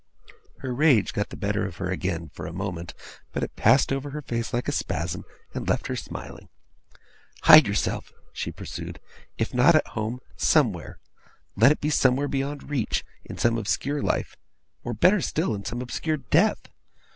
Her rage got the better of her again, for a moment; but it passed over her face like a spasm, and left her smiling. 'Hide yourself,' she pursued, 'if not at home, somewhere. Let it be somewhere beyond reach; in some obscure life or, better still, in some obscure death.